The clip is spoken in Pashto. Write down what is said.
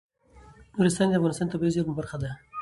نورستان د افغانستان د طبیعي زیرمو برخه ده.